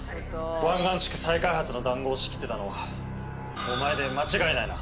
湾岸地区再開発の談合を仕切ってたのはお前で間違いないな。